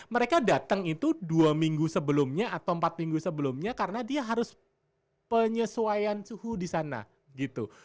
mereka datang itu dua minggu sebelumnya atau empat minggu sebelumnya karena dia harus penyesuaian suhu di sana gitu